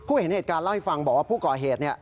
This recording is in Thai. เห็นเหตุการณ์เล่าให้ฟังบอกว่าผู้ก่อเหตุ